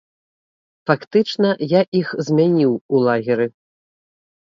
Фактычна, я іх змяніў у лагеры.